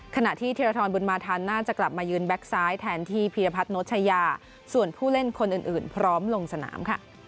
ขณะที่ธีรทรบุญมาทันน่าจะกลับมายืนแก๊กซ้ายแทนที่พีรพัฒนชายาส่วนผู้เล่นคนอื่นพร้อมลงสนามค่ะ